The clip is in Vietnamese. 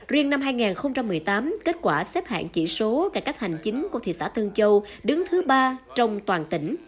riêng năm hai nghìn một mươi tám kết quả xếp hạng chỉ số cải cách hành chính của thị xã tân châu đứng thứ ba trong toàn tỉnh